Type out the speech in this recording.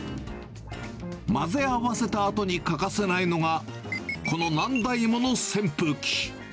混ぜ合わせたあとに欠かせないのが、この何台もの扇風機。